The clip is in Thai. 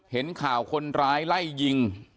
เห็นข่าวคนร้ายไล่ยิง